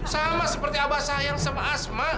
sama seperti abah sayang sama asma